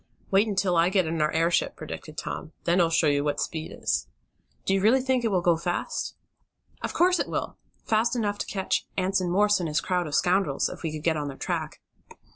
"Wait until I get in our airship," predicted Tom. "Then I'll show you what speed is!" "Do you really think it will go fast?" "Of course it will! Fast enough to catch Anson Morse and his crowd of scoundrels if we could get on their track."